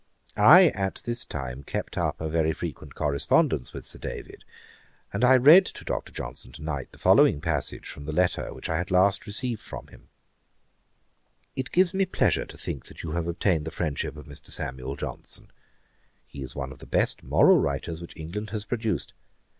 I at this time kept up a very frequent correspondence with Sir David; and I read to Dr. Johnson to night the following passage from the letter which I had last received from him: 'It gives me pleasure to think that you have obtained the friendship of Mr. Samuel Johnson. He is one of the best moral writers which England has produced.